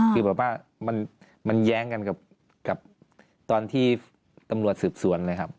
คือแบบว่ามันแย้งกันกับตอนที่ตำรวจสืบสวนเลยครับ